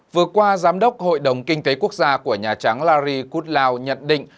vừa qua giám đốc hội đồng kinh tế quốc gia của nhà trắng larry kutlau nhận định